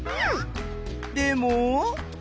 でも？